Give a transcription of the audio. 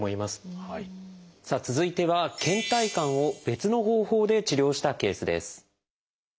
さあ続いてはけん怠感を別の方法で治療したケースです。